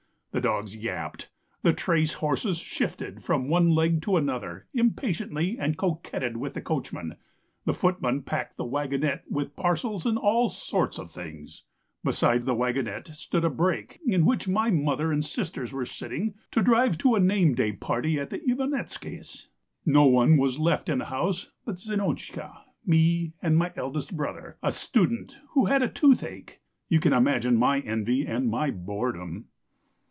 The dogs yapped, the trace horses shifted from one leg to another impatiently and coquetted with the coachman, the footman packed the waggonette with parcels and all sorts of things. Beside the waggonette stood a brake in which my mother and sisters were sitting to drive to a name day party at the Ivanetskys'. No one was left in the house but Zinotchka, me, and my eldest brother, a student, who had toothache. You can imagine my envy and my boredom.